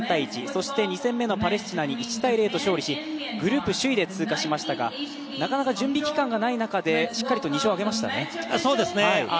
そして２戦目のパレスチナに１−０と勝利しグループ首位で通過しましたがなかなか準備期間がない中でしっかりと２勝を挙げましたね。